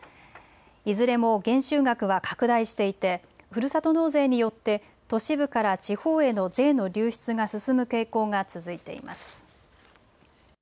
いずれも減収額は拡大していてふるさと納税によって都市部から地方への税の流出が進む傾向が続いています。